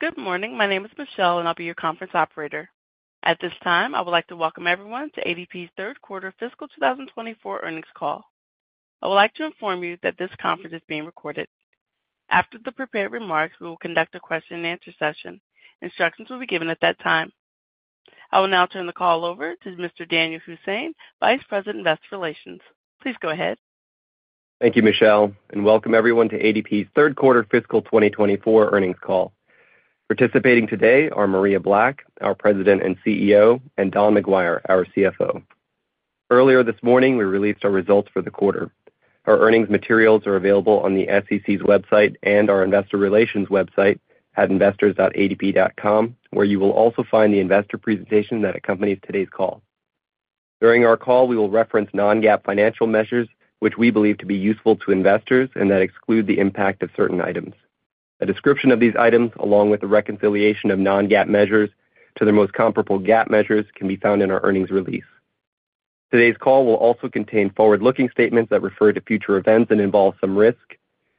Good morning. My name is Michelle, and I'll be your conference operator. At this time, I would like to welcome everyone to ADP's third-quarter fiscal 2024 earnings call. I would like to inform you that this conference is being recorded. After the prepared remarks, we will conduct a question-and-answer session. Instructions will be given at that time. I will now turn the call over to Mr. Danyal Hussain, Vice President Investor Relations. Please go ahead. Thank you, Michelle, and welcome everyone to ADP's third-quarter fiscal 2024 earnings call. Participating today are Maria Black, our President and CEO, and Don McGuire, our CFO. Earlier this morning, we released our results for the quarter. Our earnings materials are available on the SEC's website and our investor relations website at investors.adp.com, where you will also find the investor presentation that accompanies today's call. During our call, we will reference non-GAAP financial measures, which we believe to be useful to investors and that exclude the impact of certain items. A description of these items, along with the reconciliation of non-GAAP measures to their most comparable GAAP measures, can be found in our earnings release. Today's call will also contain forward-looking statements that refer to future events and involve some risk.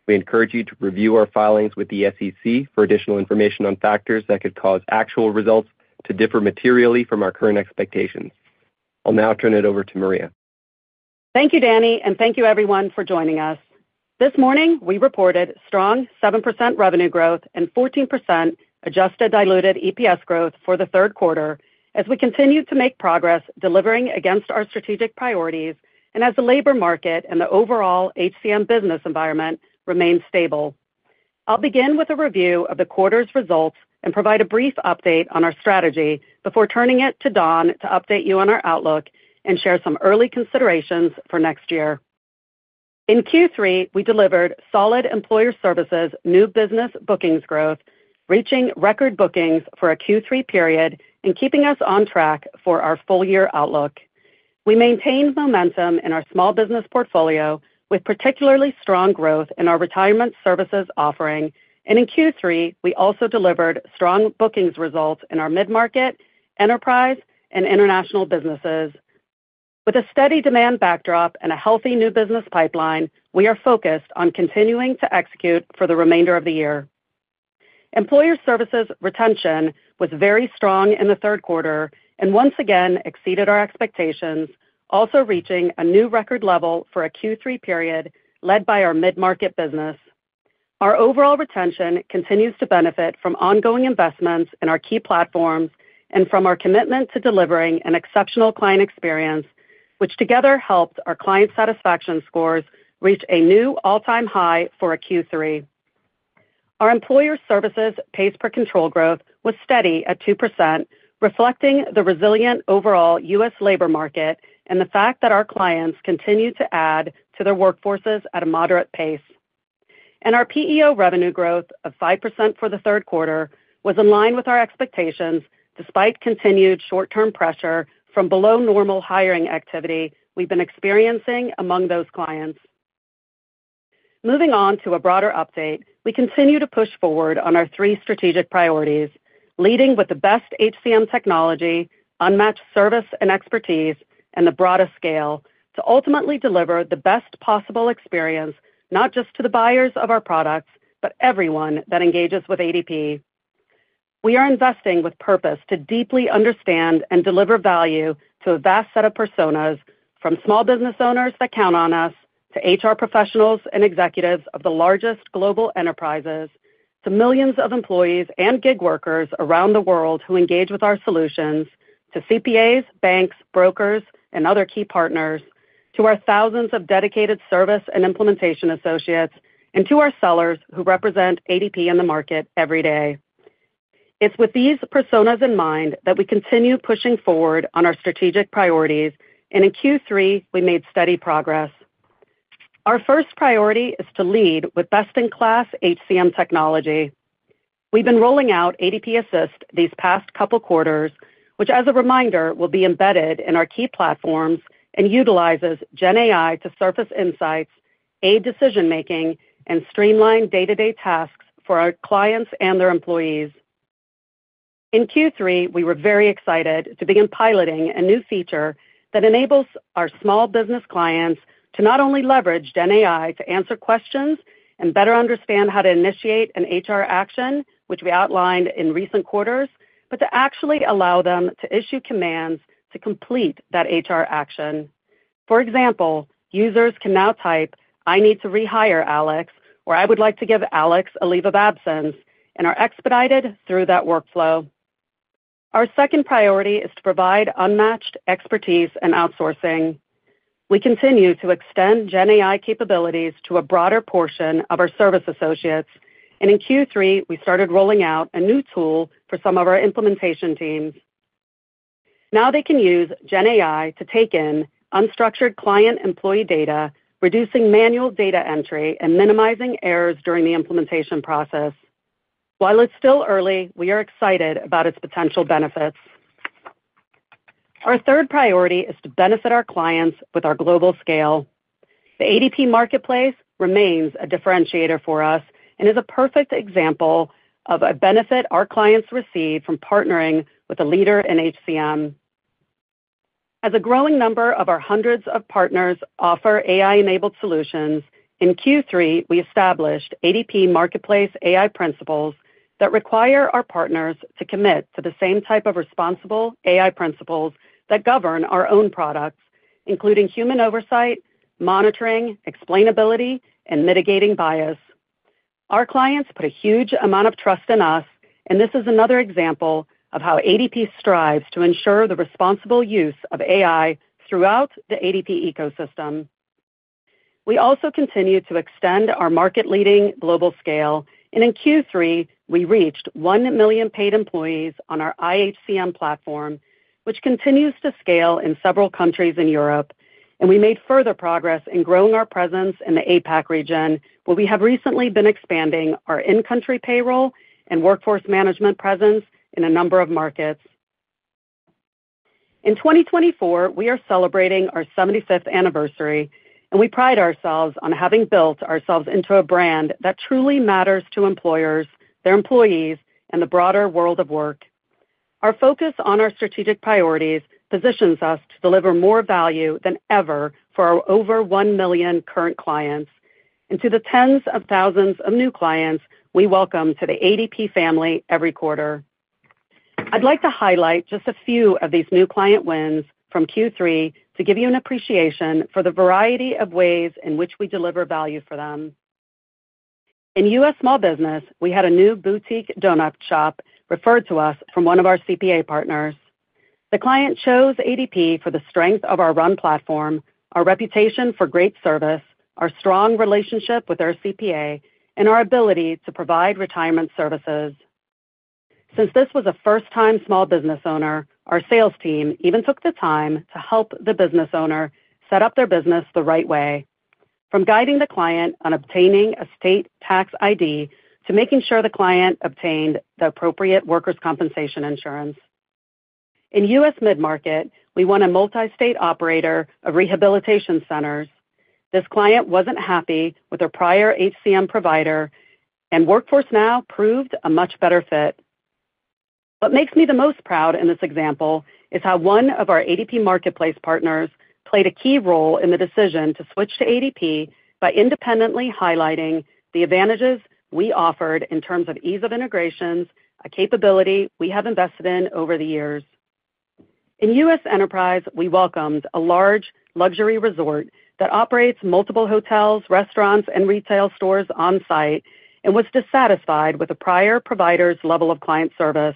We encourage you to review our filings with the SEC for additional information on factors that could cause actual results to differ materially from our current expectations. I'll now turn it over to Maria. Thank you, Danny, and thank you, everyone, for joining us. This morning, we reported strong 7% revenue growth and 14% adjusted diluted EPS growth for the third quarter as we continue to make progress delivering against our strategic priorities and as the labor market and the overall HCM business environment remain stable. I'll begin with a review of the quarter's results and provide a brief update on our strategy before turning it to Don to update you on our outlook and share some early considerations for next year. In Q3, we delivered solid Employer Services, new business bookings growth, reaching record bookings for a Q3 period, and keeping us on track for our full-year outlook. We maintained momentum in our small business portfolio with particularly strong growth in our retirement services offering, and in Q3, we also delivered strong bookings results in our mid-market, enterprise, and international businesses. With a steady demand backdrop and a healthy new business pipeline, we are focused on continuing to execute for the remainder of the year. Employer Services retention was very strong in the third quarter and once again exceeded our expectations, also reaching a new record level for a Q3 period led by our mid-market business. Our overall retention continues to benefit from ongoing investments in our key platforms and from our commitment to delivering an exceptional client experience, which together helped our client satisfaction scores reach a new all-time high for a Q3. Our pays per control growth was steady at 2%, reflecting the resilient overall U.S. labor market and the fact that our clients continue to add to their workforces at a moderate pace. Our PEO revenue growth of 5% for the third quarter was in line with our expectations despite continued short-term pressure from below-normal hiring activity we've been experiencing among those clients. Moving on to a broader update, we continue to push forward on our three strategic priorities, leading with the best HCM technology, unmatched service and expertise, and the broadest scale to ultimately deliver the best possible experience not just to the buyers of our products but everyone that engages with ADP. We are investing with purpose to deeply understand and deliver value to a vast set of personas, from small business owners that count on us to HR professionals and executives of the largest global enterprises to millions of employees and gig workers around the world who engage with our solutions, to CPAs, banks, brokers, and other key partners, to our thousands of dedicated service and implementation associates, and to our sellers who represent ADP in the market every day. It's with these personas in mind that we continue pushing forward on our strategic priorities, and in Q3, we made steady progress. Our first priority is to lead with best-in-class HCM technology. We've been rolling out ADP Assist these past couple quarters, which, as a reminder, will be embedded in our key platforms and utilizes GenAI to surface insights, aid decision-making, and streamline day-to-day tasks for our clients and their employees. In Q3, we were very excited to begin piloting a new feature that enables our small business clients to not only leverage GenAI to answer questions and better understand how to initiate an HR action, which we outlined in recent quarters, but to actually allow them to issue commands to complete that HR action. For example, users can now type, "I need to rehire Alex," or "I would like to give Alex a leave of absence," and are expedited through that workflow. Our second priority is to provide unmatched expertise and outsourcing. We continue to extend GenAI capabilities to a broader portion of our service associates, and in Q3, we started rolling out a new tool for some of our implementation teams. Now they can use GenAI to take in unstructured client-employee data, reducing manual data entry and minimizing errors during the implementation process. While it's still early, we are excited about its potential benefits. Our third priority is to benefit our clients with our global scale. The ADP Marketplace remains a differentiator for us and is a perfect example of a benefit our clients receive from partnering with a leader in HCM. As a growing number of our hundreds of partners offer AI-enabled solutions, in Q3, we established ADP Marketplace AI principles that require our partners to commit to the same type of responsible AI principles that govern our own products, including human oversight, monitoring, explainability, and mitigating bias. Our clients put a huge amount of trust in us, and this is another example of how ADP strives to ensure the responsible use of AI throughout the ADP ecosystem. We also continue to extend our market-leading global scale, and in Q3, we reached 1 million paid employees on our iHCM platform, which continues to scale in several countries in Europe, and we made further progress in growing our presence in the APAC region, where we have recently been expanding our in-country payroll and workforce management presence in a number of markets. In 2024, we are celebrating our 75th anniversary, and we pride ourselves on having built ourselves into a brand that truly matters to employers, their employees, and the broader world of work. Our focus on our strategic priorities positions us to deliver more value than ever for our over 1 million current clients, and to the tens of thousands of new clients we welcome to the ADP family every quarter. I'd like to highlight just a few of these new client wins from Q3 to give you an appreciation for the variety of ways in which we deliver value for them. In U.S. small business, we had a new boutique donut shop referred to us from one of our CPA partners. The client chose ADP for the strength of our RUN platform, our reputation for great service, our strong relationship with our CPA, and our ability to provide retirement services. Since this was a first-time small business owner, our sales team even took the time to help the business owner set up their business the right way, from guiding the client on obtaining a state tax ID to making sure the client obtained the appropriate workers' compensation insurance. In U.S. mid-market, we won a multi-state operator of rehabilitation centers. This client wasn't happy with their prior HCM provider, and Workforce Now proved a much better fit. What makes me the most proud in this example is how one of our ADP Marketplace partners played a key role in the decision to switch to ADP by independently highlighting the advantages we offered in terms of ease of integrations, a capability we have invested in over the years. In U.S. enterprise, we welcomed a large luxury resort that operates multiple hotels, restaurants, and retail stores on-site and was dissatisfied with a prior provider's level of client service.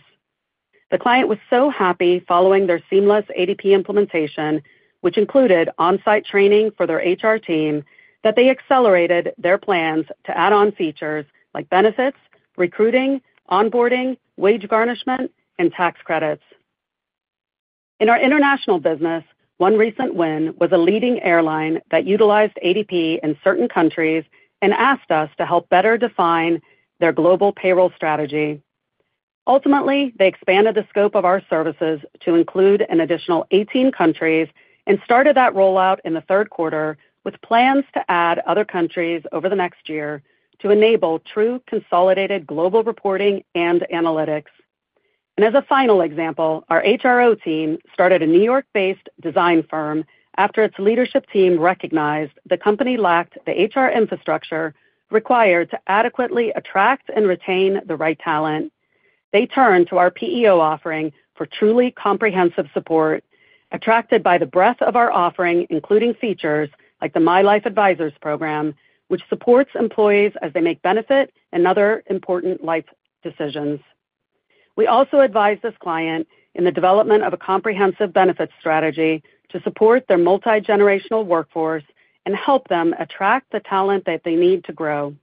The client was so happy following their seamless ADP implementation, which included on-site training for their HR team, that they accelerated their plans to add on features like benefits, recruiting, onboarding, wage garnishment, and tax credits. In our international business, one recent win was a leading airline that utilized ADP in certain countries and asked us to help better define their global payroll strategy. Ultimately, they expanded the scope of our services to include an additional 18 countries and started that rollout in the third quarter with plans to add other countries over the next year to enable true consolidated global reporting and analytics. As a final example, our HRO team started a New York-based design firm after its leadership team recognized the company lacked the HR infrastructure required to adequately attract and retain the right talent. They turned to our PEO offering for truly comprehensive support, attracted by the breadth of our offering, including features like the MyLife Advisors program, which supports employees as they make benefit and other important life decisions. We also advised this client in the development of a comprehensive benefits strategy to support their multi-generational workforce and help them attract the talent that they need to grow.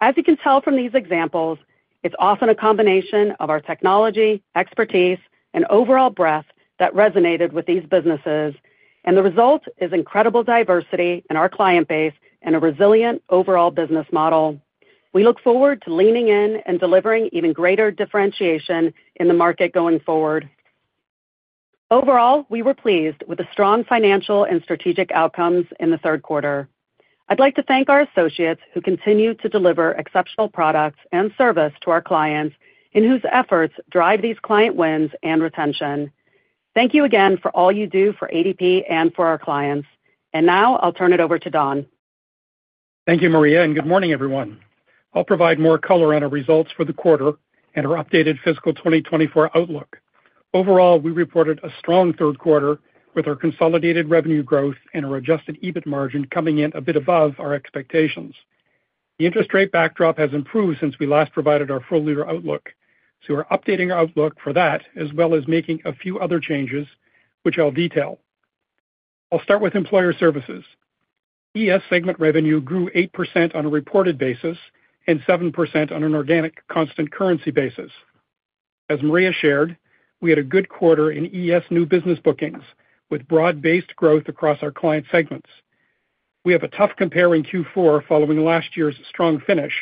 As you can tell from these examples, it's often a combination of our technology, expertise, and overall breadth that resonated with these businesses, and the result is incredible diversity in our client base and a resilient overall business model. We look forward to leaning in and delivering even greater differentiation in the market going forward. Overall, we were pleased with the strong financial and strategic outcomes in the third quarter. I'd like to thank our associates who continue to deliver exceptional products and service to our clients and whose efforts drive these client wins and retention. Thank you again for all you do for ADP and for our clients. Now I'll turn it over to Don. Thank you, Maria, and good morning, everyone. I'll provide more color on our results for the quarter and our updated fiscal 2024 outlook. Overall, we reported a strong third quarter with our consolidated revenue growth and our adjusted EBIT margin coming in a bit above our expectations. The interest rate backdrop has improved since we last provided our full-year outlook, so we're updating our outlook for that as well as making a few other changes, which I'll detail. I'll start with Employer Services. ES segment revenue grew 8% on a reported basis and 7% on an organic constant currency basis. As Maria shared, we had a good quarter in ES new business bookings with broad-based growth across our Client segments. We have a tough compare in Q4 following last year's strong finish,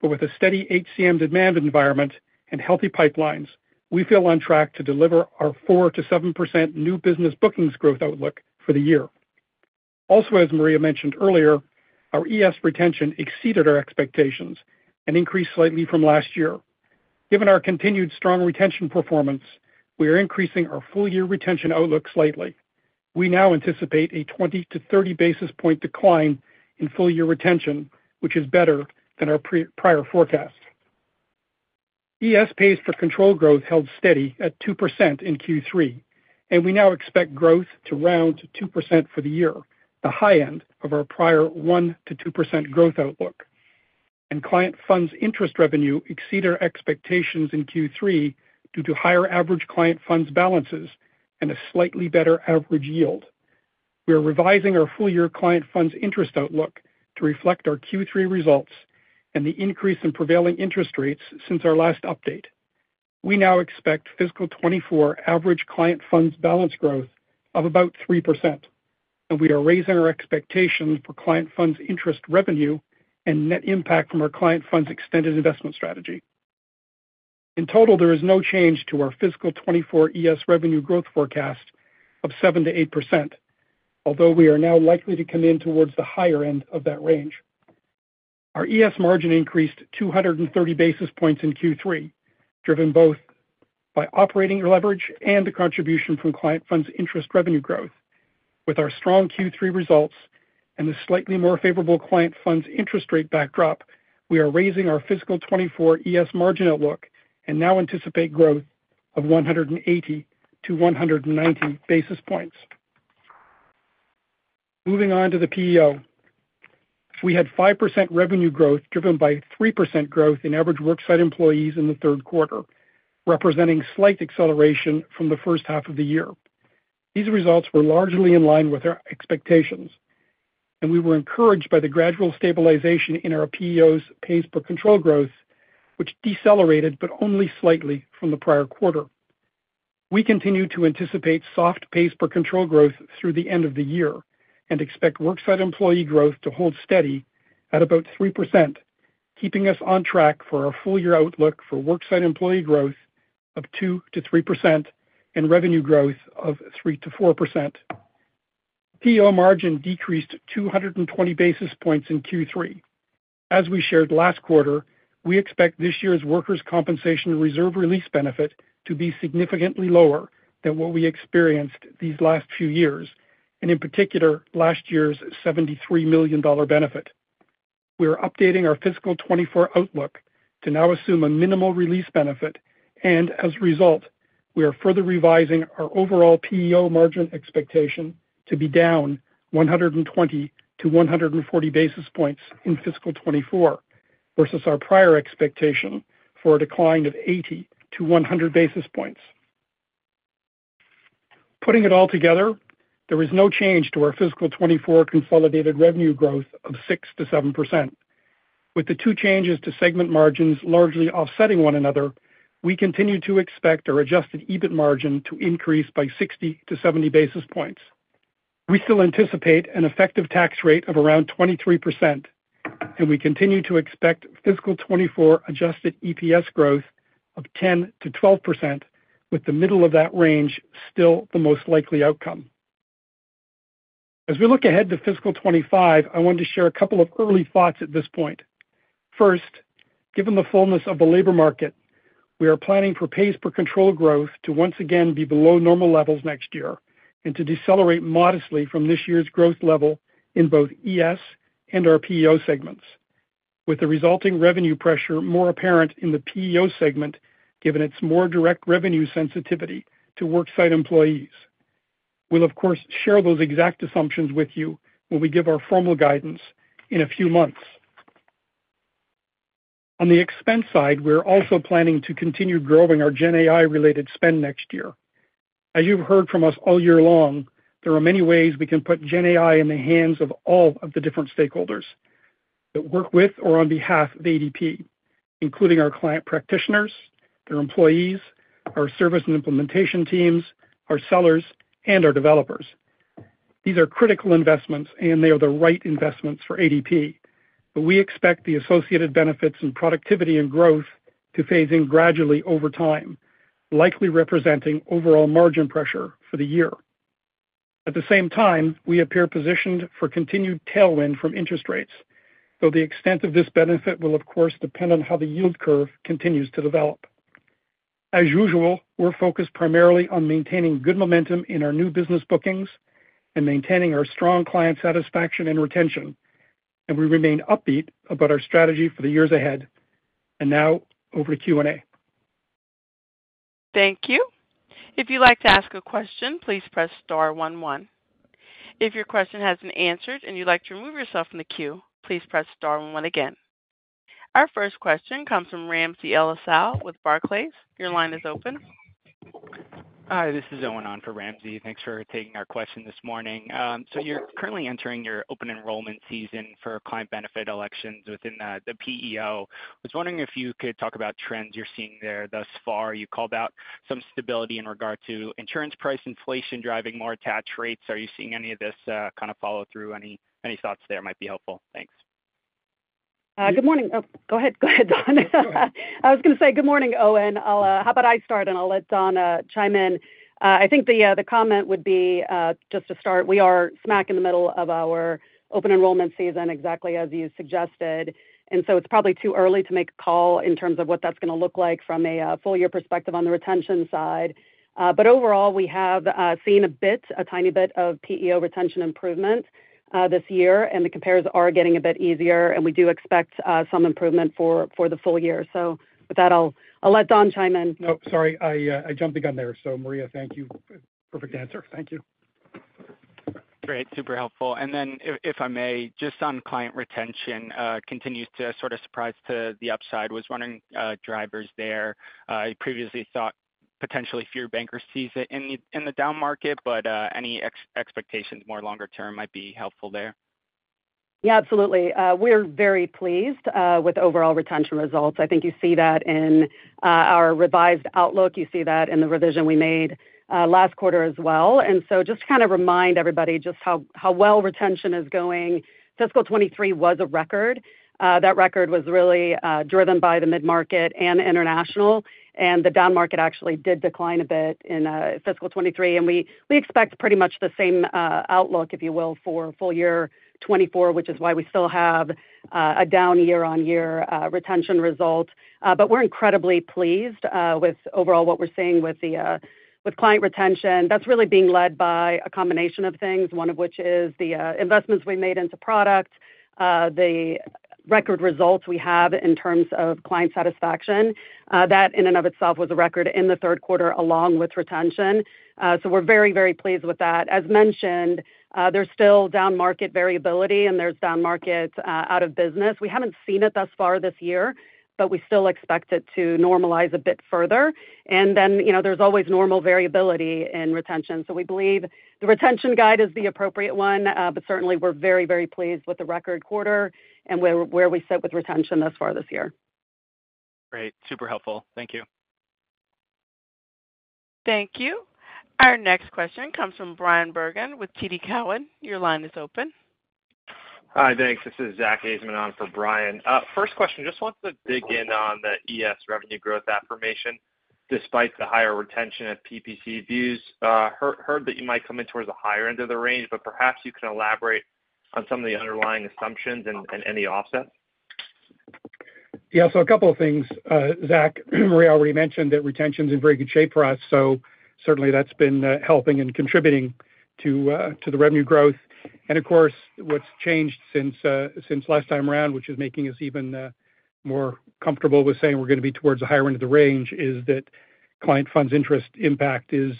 but with a steady HCM demand environment and healthy pipelines, we feel on track to deliver our 4%-7% new business bookings growth outlook for the year. Also, as Maria mentioned earlier, our ES retention exceeded our expectations and increased slightly from last year. Given our continued strong retention performance, we are increasing our full-year retention outlook slightly. We now anticipate a 20- to 30-basis-point decline in full-year retention, which is better than our prior forecast. ES pays per control growth held steady at 2% in Q3, and we now expect growth to round to 2% for the year, the high end of our prior 1%-2% growth outlook. Client funds interest revenue exceeded our expectations in Q3 due to higher average client funds balances and a slightly better average yield. We are revising our full-year client funds interest outlook to reflect our Q3 results and the increase in prevailing interest rates since our last update. We now expect fiscal 2024 average client funds balance growth of about 3%, and we are raising our expectations for client funds interest revenue and net impact from our client funds extended investment strategy. In total, there is no change to our fiscal 2024 ES revenue growth forecast of 7%-8%, although we are now likely to come in towards the higher end of that range. Our ES margin increased 230 basis points in Q3, driven both by operating leverage and the contribution from client funds interest revenue growth. With our strong Q3 results and the slightly more favorable client funds interest rate backdrop, we are raising our fiscal 2024 ES margin outlook and now anticipate growth of 180-190 basis points. Moving on to the PEO. We had 5% revenue growth driven by 3% growth in average worksite employees in the third quarter, representing slight acceleration from the first half of the year. These results were largely in line with our expectations, and we were encouraged by the gradual stabilization in our PEO's pays per control growth, which decelerated but only slightly from the prior quarter. We continue to anticipate soft pays per control growth through the end of the year and expect worksite employee growth to hold steady at about 3%, keeping us on track for our full-year outlook for worksite employee growth of 2%-3% and revenue growth of 3%-4%. PEO margin decreased 220 basis points in Q3. As we shared last quarter, we expect this year's workers' compensation reserve release benefit to be significantly lower than what we experienced these last few years, and in particular, last year's $73 million benefit. We are updating our fiscal 2024 outlook to now assume a minimal release benefit, and as a result, we are further revising our overall PEO margin expectation to be down 120-140 basis points in fiscal 2024 versus our prior expectation for a decline of 80-100 basis points. Putting it all together, there is no change to our fiscal 2024 consolidated revenue growth of 6%-7%. With the two changes to segment margins largely offsetting one another, we continue to expect our adjusted EBIT margin to increase by 60-70 basis points. We still anticipate an effective tax rate of around 23%, and we continue to expect fiscal 2024 adjusted EPS growth of 10%-12%, with the middle of that range still the most likely outcome. As we look ahead to fiscal 2025, I want to share a couple of early thoughts at this point. First, given the fullness of the labor market, we are pays per control growth to once again be below normal levels next year and to decelerate modestly from this year's growth level in both ES and our PEO segments, with the resulting revenue pressure more apparent in the PEO segment given its more direct revenue sensitivity to worksite employees. We'll, of course, share those exact assumptions with you when we give our formal guidance in a few months. On the expense side, we're also planning to continue growing our GenAI-related spend next year. As you've heard from us all year long, there are many ways we can put GenAI in the hands of all of the different stakeholders that work with or on behalf of ADP, including our client practitioners, their employees, our service and implementation teams, our sellers, and our developers. These are critical investments, and they are the right investments for ADP, but we expect the associated benefits and productivity and growth to phase in gradually over time, likely representing overall margin pressure for the year. At the same time, we appear positioned for continued tailwind from interest rates, though the extent of this benefit will, of course, depend on how the yield curve continues to develop. As usual, we're focused primarily on maintaining good momentum in our new business bookings and maintaining our strong client satisfaction and retention, and we remain upbeat about our strategy for the years ahead. Now over to Q&A. Thank you. If you'd like to ask a question, please press star 11. If your question has been answered and you'd like to remove yourself from the queue, please press star one one again. Our first question comes from Ramsey El-Assal with Barclays. Your line is open. Hi, this is Owen on for Ramsey El-Assal. Thanks for taking our question this morning. So you're currently entering your open enrollment season for client benefit elections within the PEO. I was wondering if you could talk about trends you're seeing there thus far. You called out some stability in regard to insurance price inflation driving more tax rates. Are you seeing any of this kind of follow through? Any thoughts there might be helpful. Thanks. Good morning. Oh, go ahead. Go ahead, Don. I was going to say good morning, Owen. How about I start and I'll let Don chime in? I think the comment would be, just to start, we are smack in the middle of our open enrollment season, exactly as you suggested. And so it's probably too early to make a call in terms of what that's going to look like from a full-year perspective on the retention side. But overall, we have seen a bit, a tiny bit of PEO retention improvement this year, and the compares are getting a bit easier, and we do expect some improvement for the full year. So with that, I'll let Don chime in. Nope, sorry. I jumped the gun there. So, Maria, thank you. Perfect answer. Thank you. Great. Super helpful. And then, if I may, just on client retention, continues to sort of surprise to the upside. Was running drivers there. I previously thought potentially fewer bankruptcies in the down market, but any expectations more longer term might be helpful there. Yeah, absolutely. We're very pleased with overall retention results. I think you see that in our revised outlook. You see that in the revision we made last quarter as well. And so just to kind of remind everybody just how well retention is going, fiscal 2023 was a record. That record was really driven by the mid-market and the international, and the down market actually did decline a bit in fiscal 2023. And we expect pretty much the same outlook, if you will, for full year 2024, which is why we still have a down year-on-year retention result. But we're incredibly pleased with overall what we're seeing with client retention. That's really being led by a combination of things, one of which is the investments we made into product, the record results we have in terms of client satisfaction. That, in and of itself, was a record in the third quarter along with retention. So we're very, very pleased with that. As mentioned, there's still down market variability and there's down market out of business. We haven't seen it thus far this year, but we still expect it to normalize a bit further. And then there's always normal variability in retention. So we believe the retention guide is the appropriate one, but certainly we're very, very pleased with the record quarter and where we sit with retention thus far this year. Great. Super helpful. Thank you. Thank you. Our next question comes from Bryan Bergin with TD Cowen. Your line is open. Hi, thanks. This is Zack Ajzenman on for Bryan Bergin. First question, just want to dig in on the ES revenue growth affirmation despite the higher retention at PPC views. Heard that you might come in towards the higher end of the range, but perhaps you can elaborate on some of the underlying assumptions and any offsets? Yeah, so a couple of things. Zack, Maria already mentioned that retention's in very good shape for us, so certainly that's been helping and contributing to the revenue growth. And of course, what's changed since last time around, which is making us even more comfortable with saying we're going to be towards the higher end of the range, is that client funds interest impact is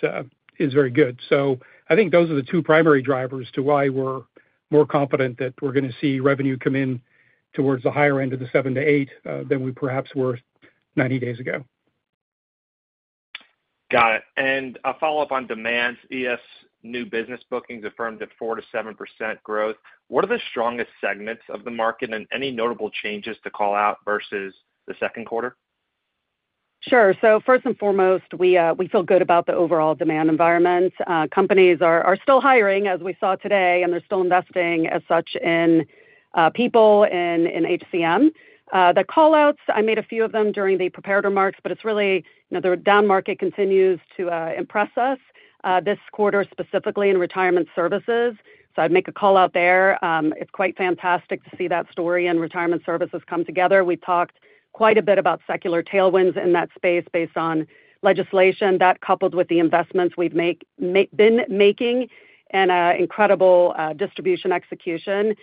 very good. So I think those are the two primary drivers to why we're more confident that we're going to see revenue come in towards the higher end of the 7%-8% than we perhaps were 90 days ago. Got it. A follow-up on demand, ES new business bookings affirmed at 4%-7% growth. What are the strongest segments of the market and any notable changes to call out versus the second quarter? Sure. So first and foremost, we feel good about the overall demand environment. Companies are still hiring as we saw today, and they're still investing as such in people in HCM. The callouts, I made a few of them during the prepared remarks, but it's really the downmarket continues to impress us this quarter specifically in retirement services. So I'd make a call out there. It's quite fantastic to see that story and retirement services come together. We've talked quite a bit about secular tailwinds in that space based on legislation that coupled with the investments we've been making and incredible distribution execution.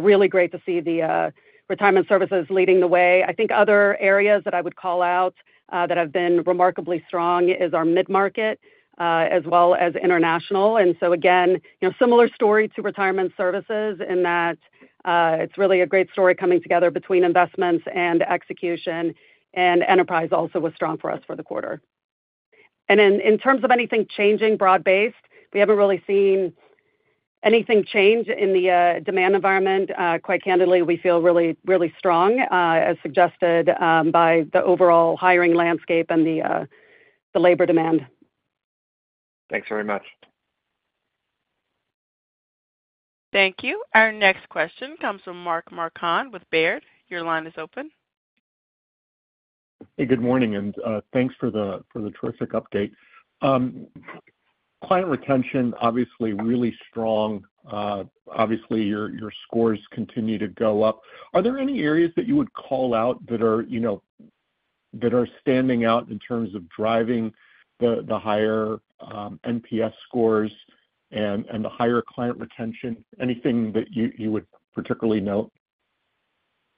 Really great to see the retirement services leading the way. I think other areas that I would call out that have been remarkably strong is our mid-market as well as international. And so again, similar story to retirement services in that it's really a great story coming together between investments and execution. And enterprise also was strong for us for the quarter. And in terms of anything changing broad-based, we haven't really seen anything change in the demand environment. Quite candidly, we feel really, really strong as suggested by the overall hiring landscape and the labor demand. Thanks very much. Thank you. Our next question comes from Mark Marcon with Baird. Your line is open. Hey, good morning. Thanks for the terrific update. Client retention, obviously really strong. Obviously, your scores continue to go up. Are there any areas that you would call out that are standing out in terms of driving the higher NPS scores and the higher client retention? Anything that you would particularly note?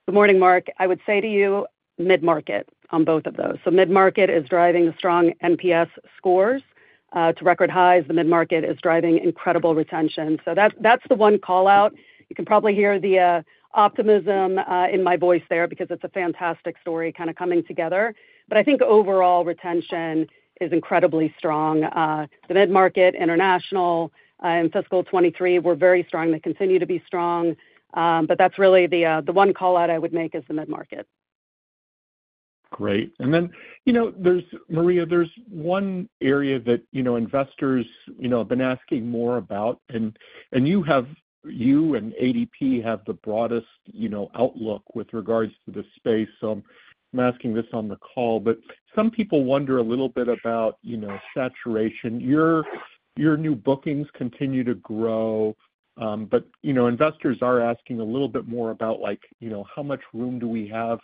Good morning, Mark. I would say to you, mid-market on both of those. So mid-market is driving the strong NPS scores to record highs. The mid-market is driving incredible retention. So that's the one callout. You can probably hear the optimism in my voice there because it's a fantastic story kind of coming together. But I think overall retention is incredibly strong. The mid-market, international, and fiscal 2023 were very strong. They continue to be strong. But that's really the one callout I would make is the mid-market. Great. And then, Maria, there's one area that investors have been asking more about, and you and ADP have the broadest outlook with regards to this space. So I'm asking this on the call, but some people wonder a little bit about saturation. Your new bookings continue to grow, but investors are asking a little bit more about how much room do we have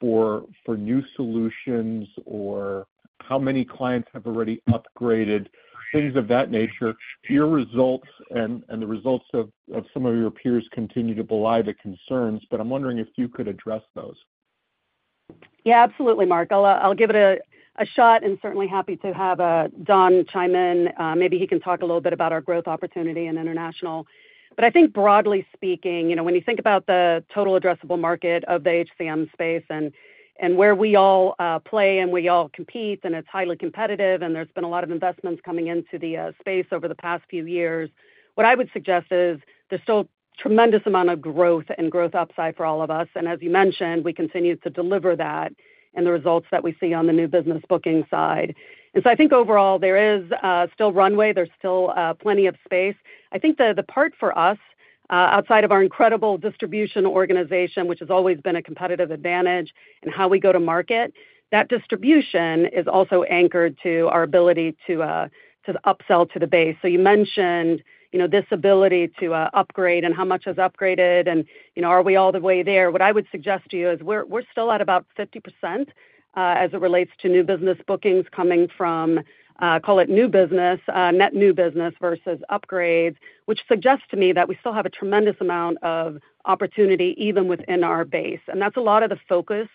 for new solutions or how many clients have already upgraded, things of that nature. Your results and the results of some of your peers continue to belie the concerns, but I'm wondering if you could address those. Yeah, absolutely, Mark. I'll give it a shot and certainly happy to have Don chime in. Maybe he can talk a little bit about our growth opportunity in international. But I think broadly speaking, when you think about the total addressable market of the HCM space and where we all play and we all compete and it's highly competitive and there's been a lot of investments coming into the space over the past few years, what I would suggest is there's still a tremendous amount of growth and growth upside for all of us. And as you mentioned, we continue to deliver that and the results that we see on the new business booking side. And so I think overall, there is still runway. There's still plenty of space. I think the part for us outside of our incredible distribution organization, which has always been a competitive advantage in how we go to market, that distribution is also anchored to our ability to upsell to the base. So you mentioned this ability to upgrade and how much has upgraded and are we all the way there? What I would suggest to you is we're still at about 50% as it relates to new business bookings coming from, call it new business, net new business versus upgrades, which suggests to me that we still have a tremendous amount of opportunity even within our base. That's a lot of the focus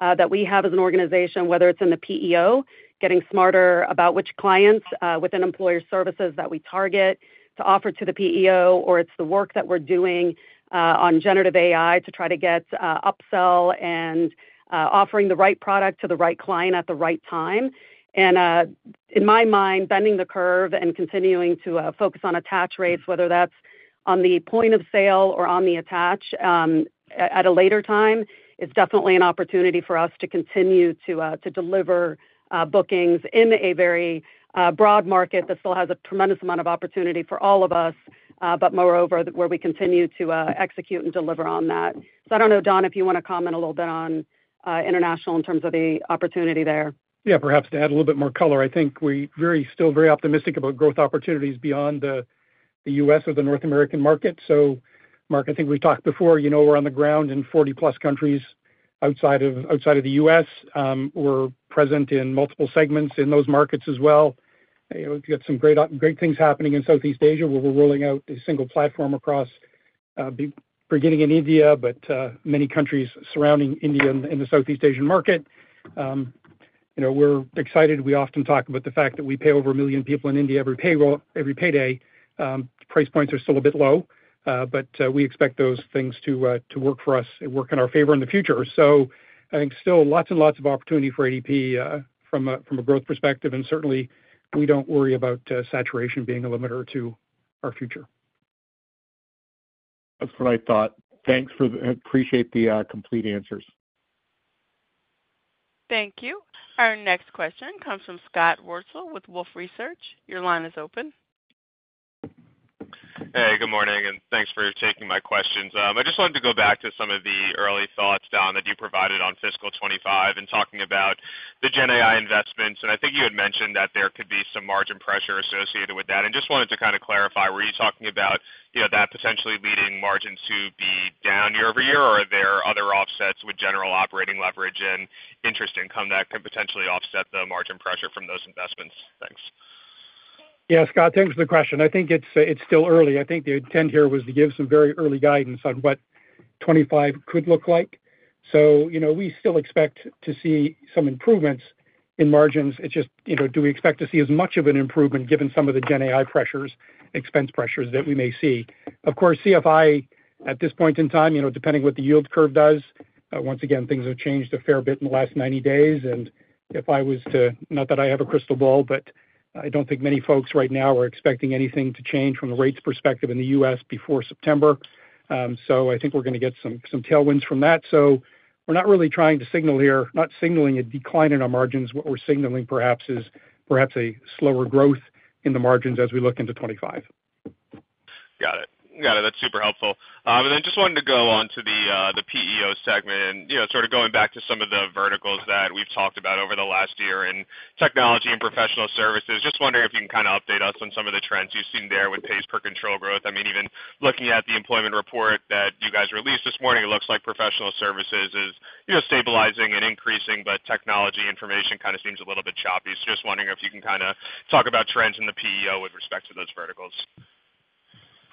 that we have as an organization, whether it's in the PEO, getting smarter about which clients within Employer Services that we target to offer to the PEO, or it's the work that we're doing on generative AI to try to get upsell and offering the right product to the right client at the right time. In my mind, bending the curve and continuing to focus on attach rates, whether that's on the point of sale or on the attach at a later time, is definitely an opportunity for us to continue to deliver bookings in a very broad market that still has a tremendous amount of opportunity for all of us, but moreover, where we continue to execute and deliver on that. I don't know, Don, if you want to comment a little bit on international in terms of the opportunity there? Yeah, perhaps to add a little bit more color. I think we're still very optimistic about growth opportunities beyond the U.S. or the North American market. So, Mark, I think we've talked before. We're on the ground in 40-plus countries outside of the U.S. We're present in multiple segments in those markets as well. We've got some great things happening in Southeast Asia where we're rolling out a single platform across, beginning in India, but many countries surrounding India in the Southeast Asian market. We're excited. We often talk about the fact that we pay over a million people in India every payday. Price points are still a bit low, but we expect those things to work for us and work in our favor in the future. So I think still lots and lots of opportunity for ADP from a growth perspective. Certainly, we don't worry about saturation being a limiter to our future. That's a great thought. Thanks for appreciating the complete answers. Thank you. Our next question comes from Scott Wurtzel with Wolfe Research. Your line is open. Hey, good morning. Thanks for taking my questions. I just wanted to go back to some of the early thoughts, Don, that you provided on fiscal 2025 and talking about the GenAI investments. I think you had mentioned that there could be some margin pressure associated with that. Just wanted to kind of clarify, were you talking about that potentially leading margins to be down year-over-year, or are there other offsets with general operating leverage and interest income that could potentially offset the margin pressure from those investments? Thanks. Yeah, Scott, thanks for the question. I think it's still early. I think the intent here was to give some very early guidance on what 2025 could look like. So we still expect to see some improvements in margins. It's just, do we expect to see as much of an improvement given some of the GenAI pressures, expense pressures that we may see? Of course, CFI at this point in time, depending what the yield curve does, once again, things have changed a fair bit in the last 90 days. And if I was to note that I have a crystal ball, but I don't think many folks right now are expecting anything to change from the rates perspective in the U.S. before September. So I think we're going to get some tailwinds from that. So we're not really trying to signal here not signaling a decline in our margins. What we're signaling perhaps is a slower growth in the margins as we look into 2025. Got it. Got it. That's super helpful. Then just wanted to go on to the PEO segment and sort of going back to some of the verticals that we've talked about over the last year in technology and professional services. Just wondering if you can kind of update us on some of the trends you've seen there with pays per control growth. I mean, even looking at the employment report that you guys released this morning, it looks like professional services is stabilizing and increasing, but technology information kind of seems a little bit choppy. So just wondering if you can kind of talk about trends in the PEO with respect to those verticals.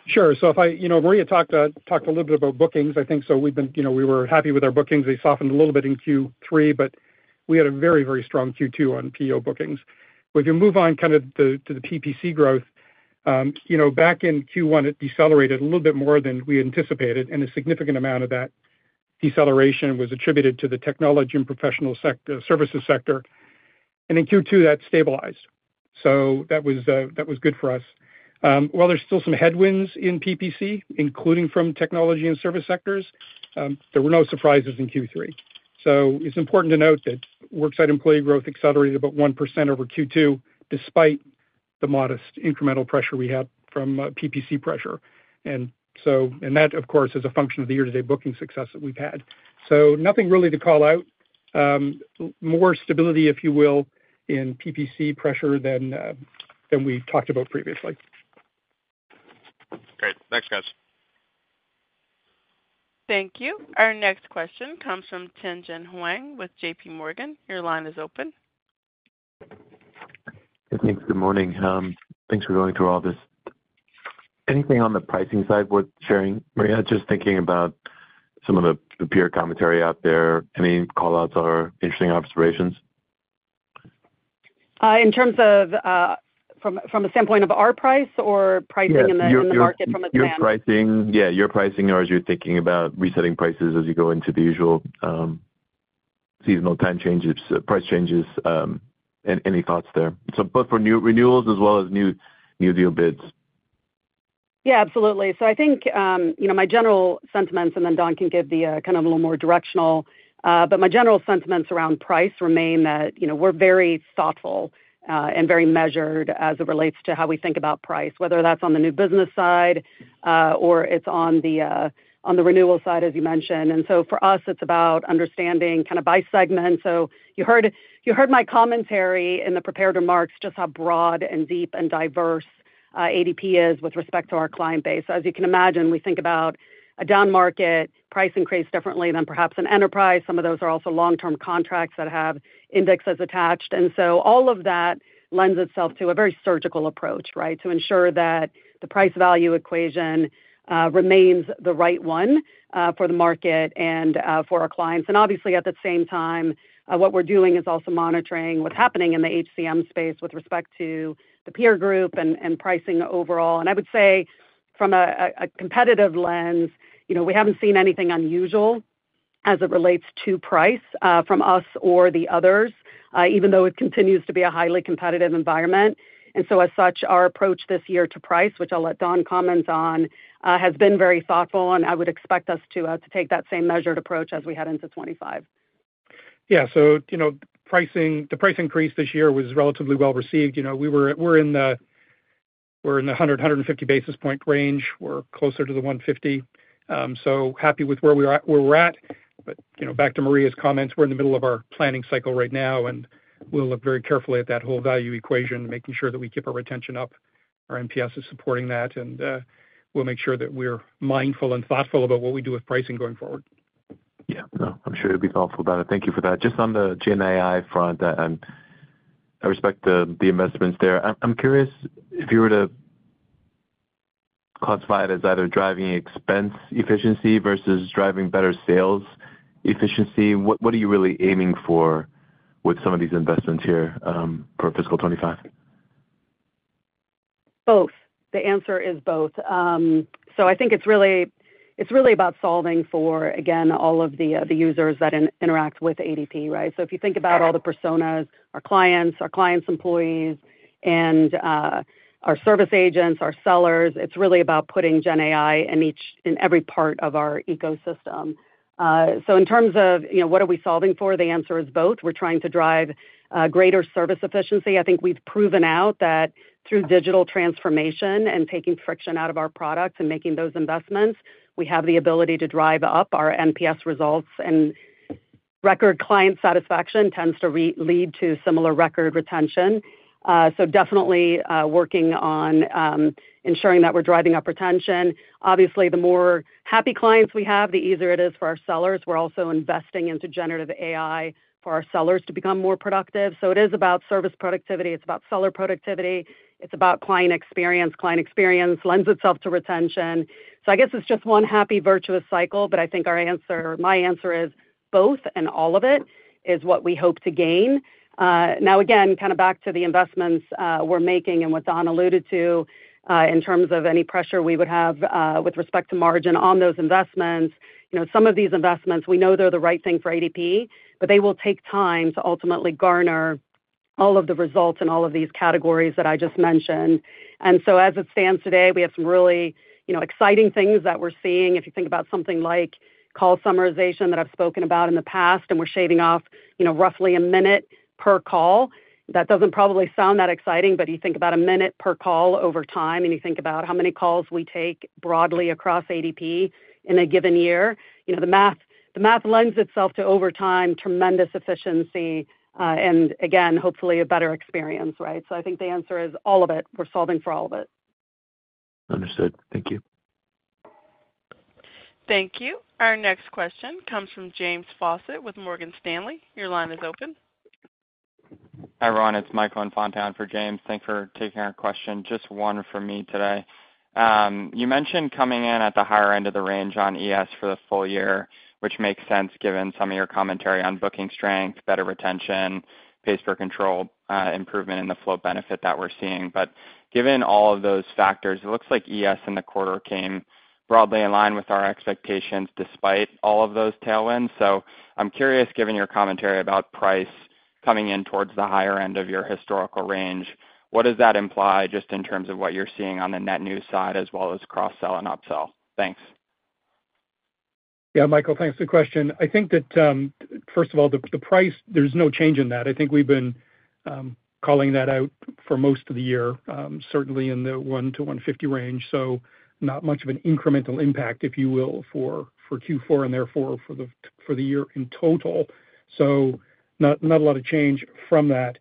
Sure. So if I may, Maria talked a little bit about bookings, I think. So we were happy with our bookings. They softened a little bit in Q3, but we had a very, very strong Q2 on PEO bookings. But if you move on kind of to the PPC growth, back in Q1, it decelerated a little bit more than we anticipated. And a significant amount of that deceleration was attributed to the technology and professional services sector. And in Q2, that stabilized. So that was good for us. While there's still some headwinds in PPC, including from technology and service sectors, there were no surprises in Q3. So it's important to note that worksite employee growth accelerated about 1% over Q2 despite the modest incremental pressure we had from PPC pressure. And that, of course, is a function of the year-to-date booking success that we've had. Nothing really to call out. More stability, if you will, in PPC pressure than we talked about previously. Great. Thanks, guys. Thank you. Our next question comes from Tien-tsin Huang with J.P. Morgan. Your line is open. Hey, thanks. Good morning. Thanks for going through all this. Anything on the pricing side worth sharing, Maria? Just thinking about some of the peer commentary out there. Any callouts or interesting observations? In terms of from a standpoint of our price or pricing in the market from a demand? Yeah, your pricing. Yeah, your pricing or as you're thinking about resetting prices as you go into the usual seasonal time changes, price changes, any thoughts there? So both for new renewals as well as new deal bids. Yeah, absolutely. So I think my general sentiments and then Don can give the kind of a little more directional. But my general sentiments around price remain that we're very thoughtful and very measured as it relates to how we think about price, whether that's on the new business side or it's on the renewal side, as you mentioned. And so for us, it's about understanding kind of by segment. So you heard my commentary in the prepared remarks, just how broad and deep and diverse ADP is with respect to our client base. So as you can imagine, we think about a down market, price increase differently than perhaps an enterprise. Some of those are also long-term contracts that have indexes attached. All of that lends itself to a very surgical approach, right, to ensure that the price-value equation remains the right one for the market and for our clients. Obviously, at the same time, what we're doing is also monitoring what's happening in the HCM space with respect to the peer group and pricing overall. I would say from a competitive lens, we haven't seen anything unusual as it relates to price from us or the others, even though it continues to be a highly competitive environment. So as such, our approach this year to price, which I'll let Don comment on, has been very thoughtful. I would expect us to take that same measured approach as we head into 2025. Yeah. So the price increase this year was relatively well received. We're in the 100-150 basis point range. We're closer to the 150. So happy with where we're at. But back to Maria's comments, we're in the middle of our planning cycle right now. And we'll look very carefully at that whole value equation, making sure that we keep our retention up. Our NPS is supporting that. And we'll make sure that we're mindful and thoughtful about what we do with pricing going forward. Yeah. No, I'm sure you'll be thoughtful about it. Thank you for that. Just on the GenAI front, I respect the investments there. I'm curious if you were to classify it as either driving expense efficiency versus driving better sales efficiency, what are you really aiming for with some of these investments here for fiscal 2025? Both. The answer is both. So I think it's really about solving for, again, all of the users that interact with ADP, right? So if you think about all the personas, our clients, our clients' employees, and our service agents, our sellers, it's really about putting GenAI in every part of our ecosystem. So in terms of what are we solving for, the answer is both. We're trying to drive greater service efficiency. I think we've proven out that through digital transformation and taking friction out of our products and making those investments, we have the ability to drive up our NPS results. And record client satisfaction tends to lead to similar record retention. So definitely working on ensuring that we're driving up retention. Obviously, the more happy clients we have, the easier it is for our sellers. We're also investing into generative AI for our sellers to become more productive. So it is about service productivity. It's about seller productivity. It's about client experience. Client experience lends itself to retention. So I guess it's just one happy, virtuous cycle. But I think our answer, my answer is both and all of it is what we hope to gain. Now, again, kind of back to the investments we're making and what Don alluded to in terms of any pressure we would have with respect to margin on those investments. Some of these investments, we know they're the right thing for ADP, but they will take time to ultimately garner all of the results in all of these categories that I just mentioned. And so as it stands today, we have some really exciting things that we're seeing. If you think about something like call summarization that I've spoken about in the past, and we're shaving off roughly a minute per call, that doesn't probably sound that exciting. But you think about a minute per call over time, and you think about how many calls we take broadly across ADP in a given year, the math lends itself to over time, tremendous efficiency, and again, hopefully, a better experience, right? So I think the answer is all of it. We're solving for all of it. Understood. Thank you. Thank you. Our next question comes from James Faucette with Morgan Stanley. Your line is open. Hi, Don. It's Michael Fontaine for James. Thanks for taking our question. Just one for me today. You mentioned coming in at the higher end of the range on ES for the full year, which makes sense given some of your commentary on booking strength, better retention, pays per control improvement, and the flow benefit that we're seeing. But given all of those factors, it looks like ES in the quarter came broadly in line with our expectations despite all of those tailwinds. So I'm curious, given your commentary about price coming in towards the higher end of your historical range, what does that imply just in terms of what you're seeing on the net new side as well as cross-sell and upsell? Thanks. Yeah, Michael, thanks for the question. I think that, first of all, the price, there's no change in that. I think we've been calling that out for most of the year, certainly in the 1-150 range. So not much of an incremental impact, if you will, for Q4 and therefore for the year in total. So not a lot of change from that.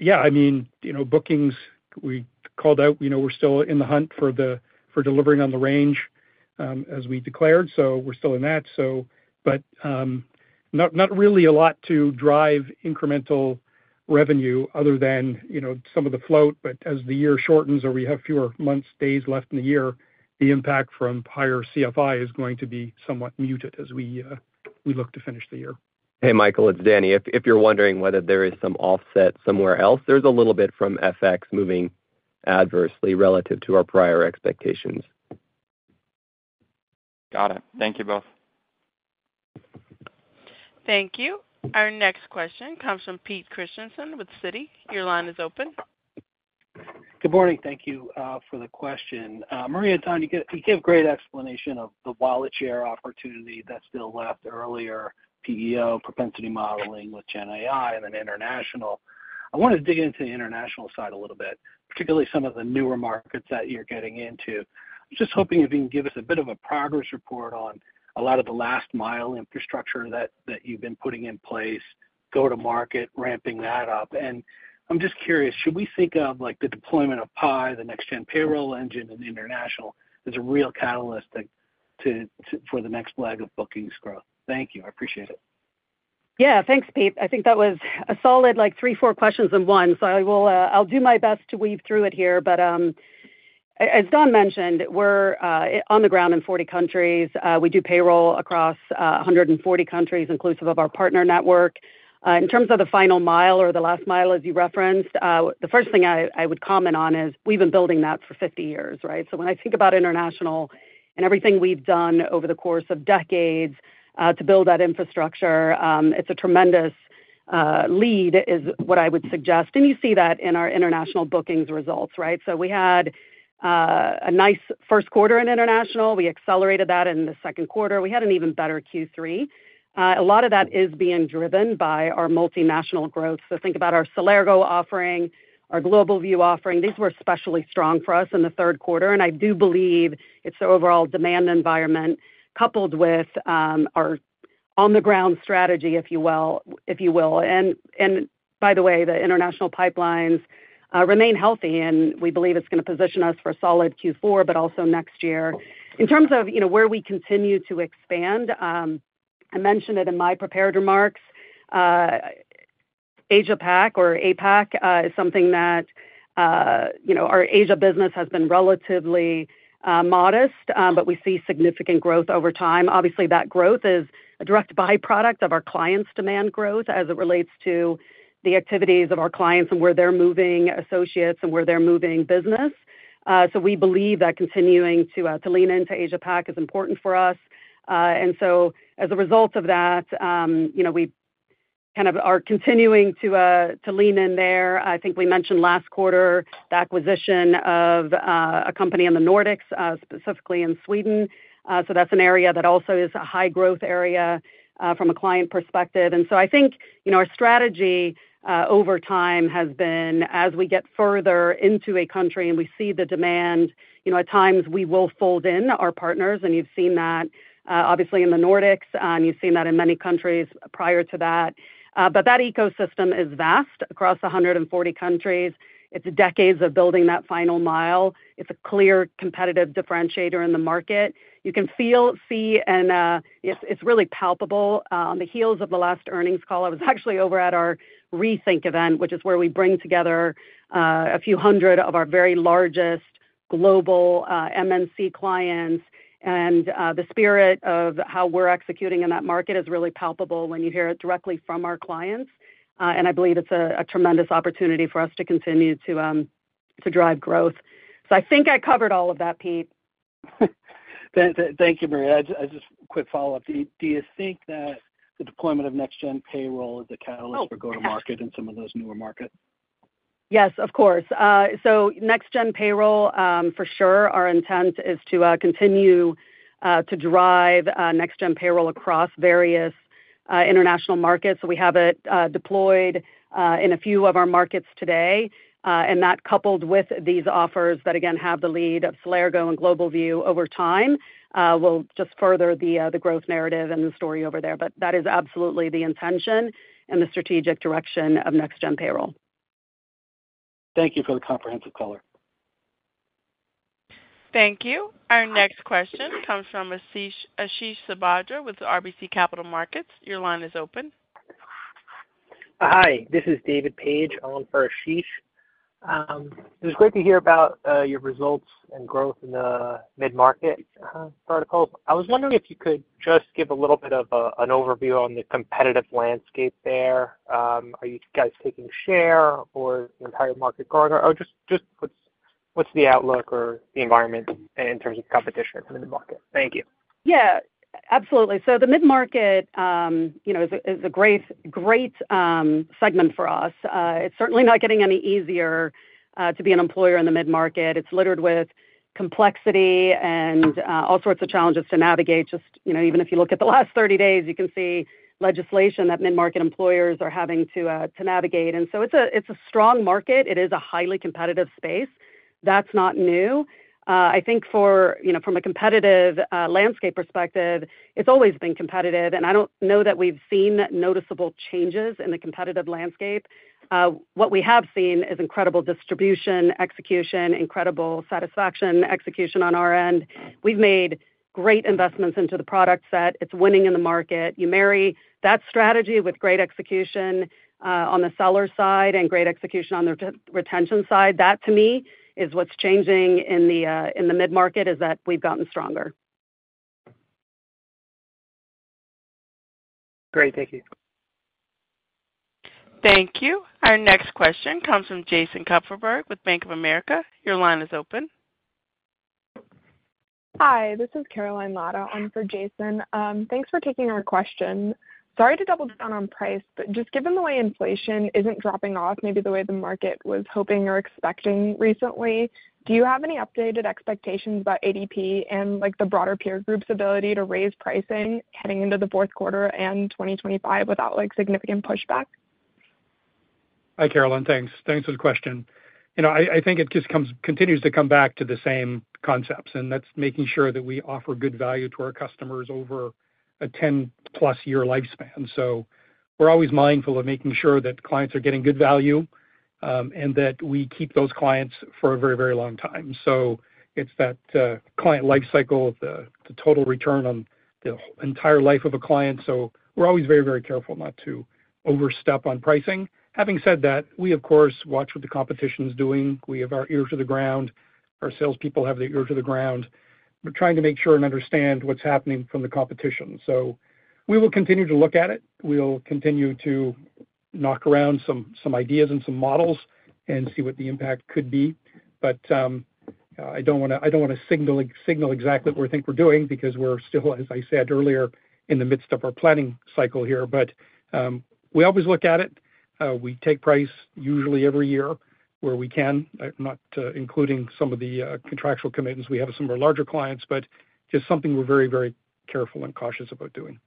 Yeah, I mean, bookings, we called out, we're still in the hunt for delivering on the range as we declared. So we're still in that. But not really a lot to drive incremental revenue other than some of the float. But as the year shortens or we have fewer months, days left in the year, the impact from higher CFI is going to be somewhat muted as we look to finish the year. Hey, Michael, it's Dany. If you're wondering whether there is some offset somewhere else, there's a little bit from FX moving adversely relative to our prior expectations. Got it. Thank you both. Thank you. Our next question comes from Pete Christiansen with Citi. Your line is open. Good morning. Thank you for the question. Maria, Don, you gave great explanation of the wallet share opportunity that's still left earlier, PEO, propensity modeling with GenAI, and then international. I want to dig into the international side a little bit, particularly some of the newer markets that you're getting into. I'm just hoping you can give us a bit of a progress report on a lot of the last-mile infrastructure that you've been putting in place, go-to-market, ramping that up. And I'm just curious, should we think of the deployment of PI, the next-gen payroll engine in international, as a real catalyst for the next leg of bookings growth? Thank you. I appreciate it. Yeah, thanks, Pete. I think that was a solid 3, 4 questions in one. So I'll do my best to weave through it here. But as Don mentioned, we're on the ground in 40 countries. We do payroll across 140 countries, inclusive of our partner network. In terms of the final mile or the last mile, as you referenced, the first thing I would comment on is we've been building that for 50 years, right? So when I think about international and everything we've done over the course of decades to build that infrastructure, it's a tremendous lead is what I would suggest. And you see that in our international bookings results, right? So we had a nice first quarter in international. We accelerated that in the second quarter. We had an even better Q3. A lot of that is being driven by our multinational growth. So think about our Celergo offering, our GlobalView offering. These were especially strong for us in the third quarter. And I do believe it's the overall demand environment coupled with our on-the-ground strategy, if you will. And by the way, the international pipelines remain healthy. And we believe it's going to position us for a solid Q4, but also next year. In terms of where we continue to expand, I mentioned it in my prepared remarks. APAC is something that our Asia business has been relatively modest, but we see significant growth over time. Obviously, that growth is a direct byproduct of our clients' demand growth as it relates to the activities of our clients and where they're moving associates and where they're moving business. So we believe that continuing to lean into APAC is important for us. And so as a result of that, we kind of are continuing to lean in there. I think we mentioned last quarter, the acquisition of a company in the Nordics, specifically in Sweden. So that's an area that also is a high-growth area from a client perspective. And so I think our strategy over time has been, as we get further into a country and we see the demand, at times, we will fold in our partners. And you've seen that, obviously, in the Nordics. And you've seen that in many countries prior to that. But that ecosystem is vast across 140 countries. It's decades of building that final mile. It's a clear competitive differentiator in the market. You can feel, see, and it's really palpable on the heels of the last earnings call. I was actually over at our ReThink event, which is where we bring together a few hundred of our very largest global MNC clients. The spirit of how we're executing in that market is really palpable when you hear it directly from our clients. I believe it's a tremendous opportunity for us to continue to drive growth. I think I covered all of that, Pete. Thank you, Maria. Just a quick follow-up. Do you think that the deployment of next-gen payroll is a catalyst for go-to-market in some of those newer markets? Yes, of course. So next-gen payroll, for sure, our intent is to continue to drive next-gen payroll across various international markets. So we have it deployed in a few of our markets today. And that, coupled with these offers that, again, have the lead of Celergo and GlobalView over time, will just further the growth narrative and the story over there. But that is absolutely the intention and the strategic direction of next-gen payroll. Thank you for the comprehensive color. Thank you. Our next question comes from Ashish Sabadra with RBC Capital Markets. Your line is open. Hi. This is David Page on for Ashish. It was great to hear about your results and growth in the mid-market verticals. I was wondering if you could just give a little bit of an overview on the competitive landscape there. Are you guys taking share, or is the entire market growing? Or just what's the outlook or the environment in terms of competition in the mid-market? Thank you. Yeah, absolutely. So the mid-market is a great segment for us. It's certainly not getting any easier to be an employer in the mid-market. It's littered with complexity and all sorts of challenges to navigate. Just even if you look at the last 30 days, you can see legislation that mid-market employers are having to navigate. And so it's a strong market. It is a highly competitive space. That's not new. I think from a competitive landscape perspective, it's always been competitive. And I don't know that we've seen noticeable changes in the competitive landscape. What we have seen is incredible distribution, execution, incredible satisfaction execution on our end. We've made great investments into the product set. It's winning in the market. You marry that strategy with great execution on the seller side and great execution on the retention side. That, to me, is what's changing in the mid-market is that we've gotten stronger. Great. Thank you. Thank you. Our next question comes from Jason Kupferberg with Bank of America. Your line is open. Hi. This is Caroline Ladda on for Jason. Thanks for taking our question. Sorry to double down on price, but just given the way inflation isn't dropping off maybe the way the market was hoping or expecting recently, do you have any updated expectations about ADP and the broader peer group's ability to raise pricing heading into the fourth quarter and 2025 without significant pushback? Hi, Caroline. Thanks. Thanks for the question. I think it just continues to come back to the same concepts. And that's making sure that we offer good value to our customers over a 10+-year lifespan. So we're always mindful of making sure that clients are getting good value and that we keep those clients for a very, very long time. So it's that client lifecycle, the total return on the entire life of a client. So we're always very, very careful not to overstep on pricing. Having said that, we, of course, watch what the competition is doing. We have our ears to the ground. Our salespeople have their ears to the ground. We're trying to make sure and understand what's happening from the competition. So we will continue to look at it. We'll continue to knock around some ideas and some models and see what the impact could be. But I don't want to signal exactly what we think we're doing because we're still, as I said earlier, in the midst of our planning cycle here. But we always look at it. We take price usually every year where we can, not including some of the contractual commitments. We have some of our larger clients, but just something we're very, very careful and cautious about doing.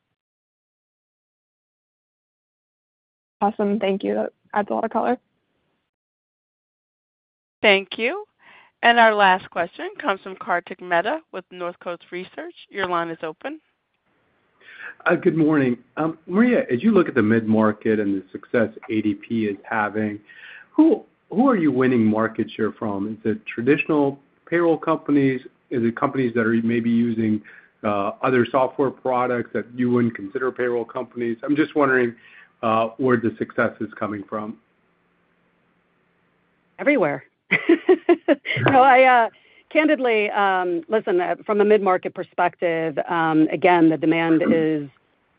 Awesome. Thank you. That adds a lot of color. Thank you. And our last question comes from Kartik Mehta with Northcoast Research. Your line is open. Good morning. Maria, as you look at the mid-market and the success ADP is having, who are you winning market share from? Is it traditional payroll companies? Is it companies that are maybe using other software products that you wouldn't consider payroll companies? I'm just wondering where the success is coming from. Everywhere. No, I candidly, listen, from a mid-market perspective, again, the demand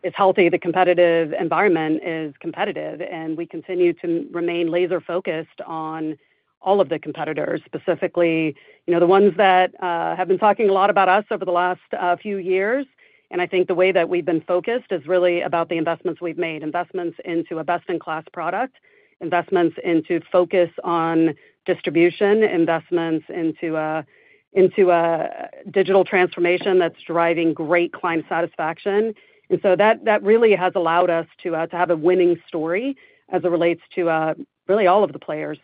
is healthy. The competitive environment is competitive. We continue to remain laser-focused on all of the competitors, specifically the ones that have been talking a lot about us over the last few years. I think the way that we've been focused is really about the investments we've made, investments into a best-in-class product, investments into focus on distribution, investments into a digital transformation that's driving great client satisfaction. So that really has allowed us to have a winning story as it relates to really all of the players.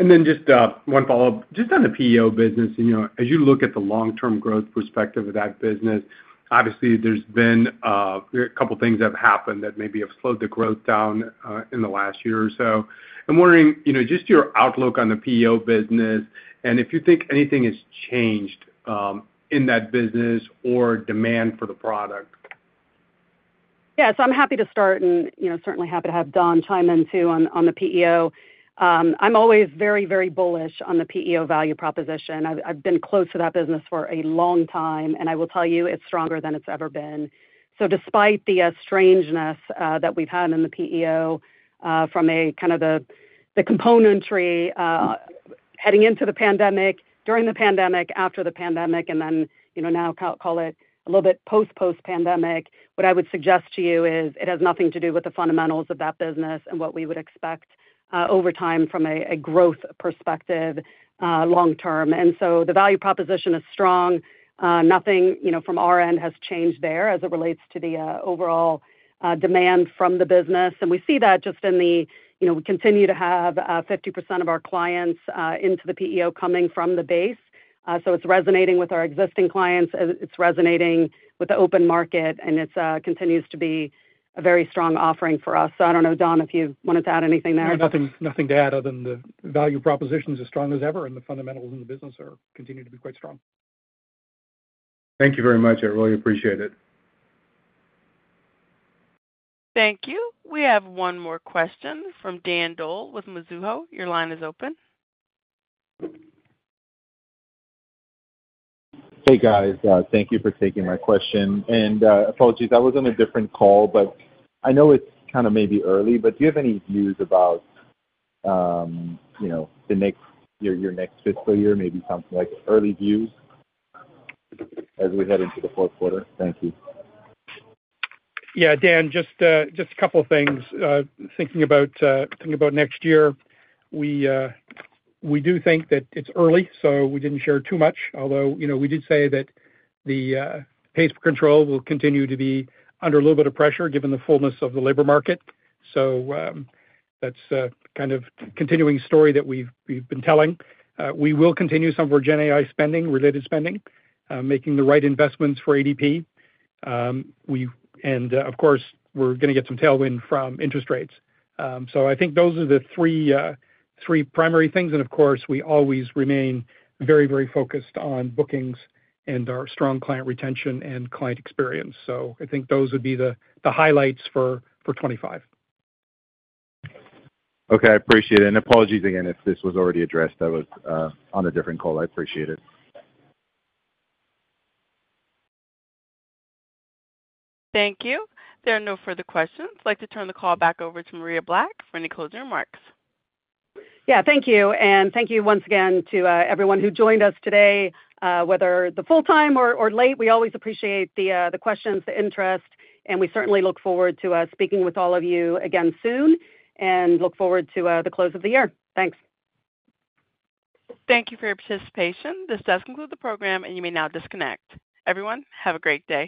Just one follow-up. Just on the PEO business, as you look at the long-term growth perspective of that business, obviously, there's been a couple of things that have happened that maybe have slowed the growth down in the last year or so. I'm wondering just your outlook on the PEO business and if you think anything has changed in that business or demand for the product? Yeah. So I'm happy to start and certainly happy to have Don chime in too on the PEO. I'm always very, very bullish on the PEO value proposition. I've been close to that business for a long time. And I will tell you, it's stronger than it's ever been. So despite the strangeness that we've had in the PEO from kind of the componentry heading into the pandemic, during the pandemic, after the pandemic, and then now call it a little bit post-post-pandemic, what I would suggest to you is it has nothing to do with the fundamentals of that business and what we would expect over time from a growth perspective long-term. And so the value proposition is strong. Nothing from our end has changed there as it relates to the overall demand from the business. And we see that just in the, we continue to have 50% of our clients into the PEO coming from the base. So it's resonating with our existing clients. It's resonating with the open market. And it continues to be a very strong offering for us. So I don't know, Don, if you wanted to add anything there. Nothing to add other than the value propositions are strong as ever, and the fundamentals in the business continue to be quite strong. Thank you very much. I really appreciate it. Thank you. We have one more question from Dan Dolev with Mizuho. Your line is open. Hey, guys. Thank you for taking my question. Apologies, I was on a different call, but I know it's kind of maybe early. Do you have any views about your next fiscal year, maybe something like early views as we head into the fourth quarter? Thank you. Yeah, Dan, just a couple of things. Thinking about next year, we do think that it's early. So we didn't share too much, although we did say that the pays per control will continue to be under a little bit of pressure given the fullness of the labor market. So that's kind of a continuing story that we've been telling. We will continue some of our GenAI spending, related spending, making the right investments for ADP. And of course, we're going to get some tailwind from interest rates. So I think those are the three primary things. And of course, we always remain very, very focused on bookings and our strong client retention and client experience. So I think those would be the highlights for 2025. Okay. I appreciate it. Apologies again if this was already addressed. I was on a different call. I appreciate it. Thank you. There are no further questions. I'd like to turn the call back over to Maria Black for any closing remarks. Yeah. Thank you. Thank you once again to everyone who joined us today, whether the full-time or late. We always appreciate the questions, the interest. We certainly look forward to speaking with all of you again soon and look forward to the close of the year. Thanks. Thank you for your participation. This does conclude the program, and you may now disconnect. Everyone, have a great day.